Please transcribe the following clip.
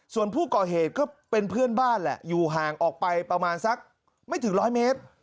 ส่วนผู้ก่อเหตุก็เป็นเพื่อนบ้านแหละอยู่ห่างออกไปประมาณสักไม่ถึงร้อยเมตร